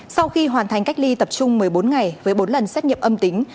sau khi hoàn thành cách ly tập trung một mươi bốn ngày với bốn lần xét nghiệm âm tính